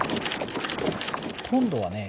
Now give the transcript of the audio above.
今度はね